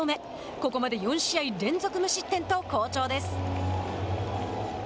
ここまで４試合連続無失点と好調です。